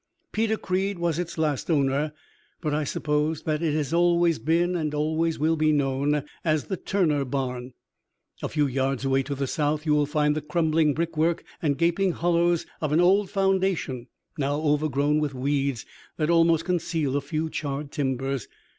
"Peter Creed was its last owner, but I suppose that it has always been and always will be known as the Turner barn. A few yards away to the south you will find the crumbling brick work and gaping hollows of an old foundation, now overgrown with weeds that almost conceal a few charred timbers.